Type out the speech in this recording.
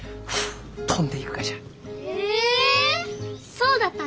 そうだったの？